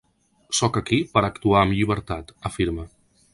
Sóc aquí per actuar amb llibertat, afirma.